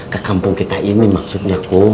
ke kampung kita ini maksudnya kum